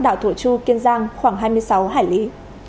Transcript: đảo thổ chu kiên giang khoảng hai mươi sáu hải lý